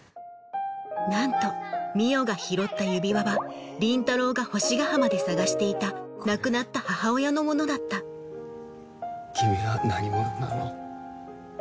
なんと海音が拾った指輪は倫太郎が星ヶ浜で探していた亡くなった母親のものだった君は何者なの？